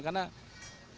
karena masukkan bantuan